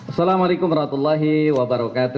assalamualaikum wr wb